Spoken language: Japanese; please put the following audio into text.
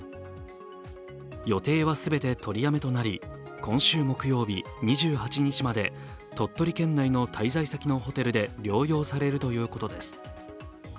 予定は全て取りやめとなり、今週木曜日２８日まで鳥取県内の滞在先のホテルで療養されるということです。